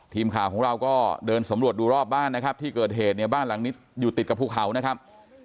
ทีมข่าวของเราก็เดินสำรวจดูรอบบ้านนะครับที่เกิดเหตุเนี่ยบ้านหลังนี้อยู่ติดกับภูเขานะครับ